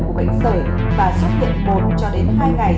của bệnh sở và xuất hiện một hai ngày